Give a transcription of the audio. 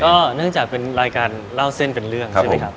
เนื่องจากเป็นรายการเล่าเส้นเป็นเรื่องใช่ไหมครับ